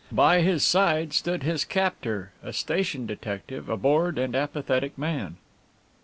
By his side stood his captor, a station detective, a bored and apathetic man.